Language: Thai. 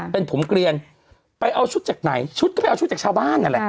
เป็นผมเกลียนไปเอาชุดจากไหนชุดก็ไปเอาชุดจากชาวบ้านนั่นแหละ